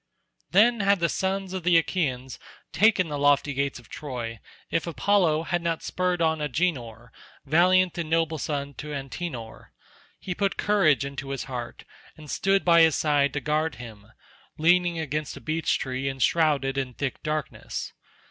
Then had the sons of the Achaeans taken the lofty gates of Troy if Apollo had not spurred on Agenor, valiant and noble son to Antenor. He put courage into his heart, and stood by his side to guard him, leaning against a beech tree and shrouded in thick darkness.